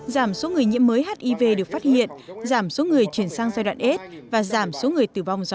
giảm số người nhiễm mới hiv được phát hiện giảm số người chuyển sang giai đoạn s và giảm số người tử vong do